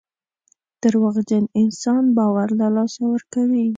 دروغجن انسان باور له لاسه ورکوي.